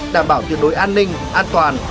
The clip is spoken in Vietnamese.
đảm bảo tuyệt đối an ninh an toàn